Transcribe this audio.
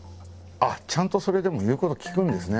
あっちゃんとそれでも言うこと聞くんですね。